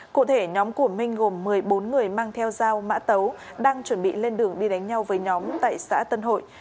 cụ thể nhóm của minh gồm một mươi bốn người mang theo dao mã tấu đang chuẩn bị lên đường đi đánh nhau với nhóm tại xã tân hội